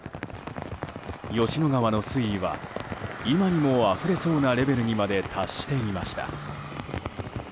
吉野川の水位は今にもあふれそうなレベルにまで達していました。